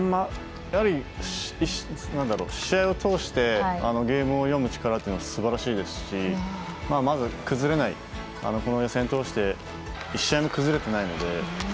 やはり、試合を通してゲームを読む力というのがすばらしいですしまず、崩れないこの予選を通して１試合も崩れてないので。